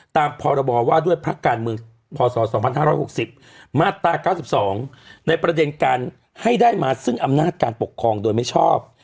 ตามพรบว่าด้วยพักการเมืองพศ๒๕๖๐มาตรา๙๒ในประเด็นการให้ได้มาซึ่งอำนาจการปกครองโดยไม่ชอบ